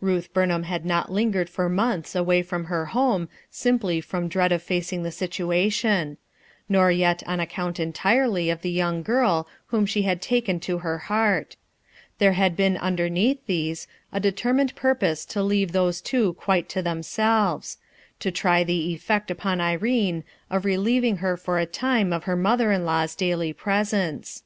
Ruth Burnham had not lingered for months away from her home simply from dread of facing the situation; nor yet on account entirely of the young girl whom she had taken to her heart; there had been underneath these, a de termined purpose to leave those two quite to themselves; to try the effect upon Irene of relieving her for a time of her mother in law's daily presence.